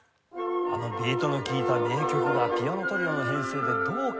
あのビートの利いた名曲がピアノトリオの編成でどう変わるのか？